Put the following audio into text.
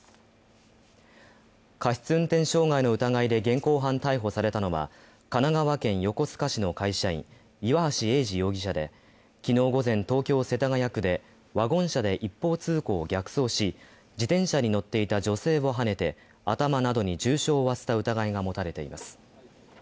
過失運転傷害の現行犯逮捕されたのは神奈川県横須賀市の会社員、岩橋英司容疑者で昨日午前、東京・世田谷区でワゴン車で一方通行を逆走し自転車に乗っていた女性をはねて、頭などに重傷を負わせた疑いが持たれています。